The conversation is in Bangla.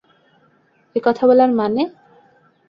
এ কথা বলার মানে?